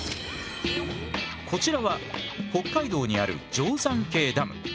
こちらは北海道にある定山渓ダム。